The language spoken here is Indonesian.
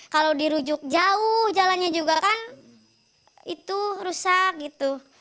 kalau dirujuk jauh jalannya juga kan itu rusak gitu